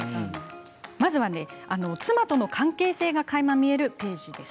まずは妻との関係性がかいま見えるものです。